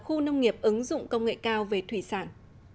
khu nông nghiệp ứng dụng công nghệ cao về thủy sản